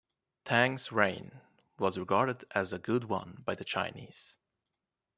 Tang's reign was regarded as a good one by the Chinese.